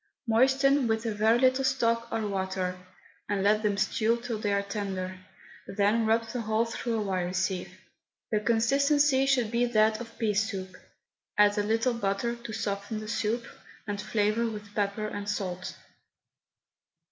Moisten with a very little stock or water, and let them stew till they are tender, then rub the whole through a wire sieve. The consistency should be that of pea soup. Add a little butter to soften the soup), and flavour with pepper and salt.